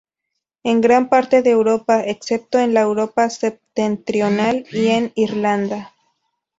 En gran parte de Europa, excepto en la Europa septentrional y en Irlanda.